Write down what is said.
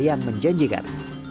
saya akan menjanjikan